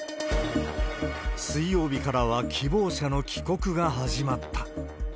水曜日からは希望者の帰国が始まった。